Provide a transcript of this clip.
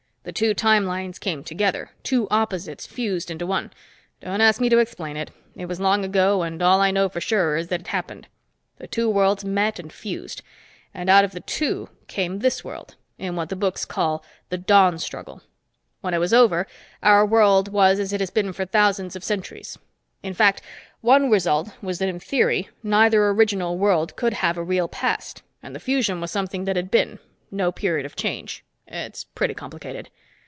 The two time lines came together. Two opposites fused into one. Don't ask me to explain it; it was long ago, and all I know for sure is that it happened. The two worlds met and fused, and out of the two came this world, in what the books call the Dawnstruggle. When it was over, our world was as it has been for thousands of centuries. In fact, one result was that in theory, neither original world could have a real past, and the fusion was something that had been no period of change. It's pretty complicated."